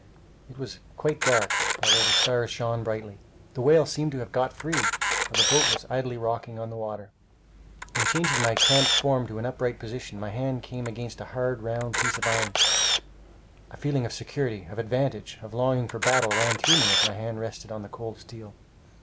It was quite dark, although the stars shone brightly. The whale seemed to have got free, for the boat was idly rocking on the water. In changing my cramped form to an upright position, my hand came against a hard, round piece of iron. A feeling of security, of advantage, of longing for battle ran through me as my hand rested on the cold steel.